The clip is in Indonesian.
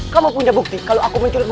kamu punya bukti kalau aku mencuri